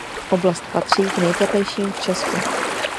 Oblast patří k nejteplejším v Česku.